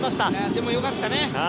でも、よかったね。